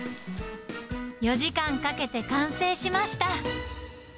４時間かけて完成しました。